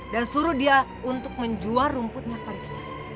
dan suruh dia untuk menjual rumputnya kepadanya